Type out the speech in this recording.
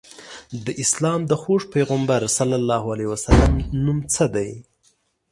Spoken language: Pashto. د اسلام د خوږ پیغمبر ص نوم څه دی؟